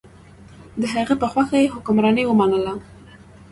د هغه په خوښه یې حکمراني ومنله.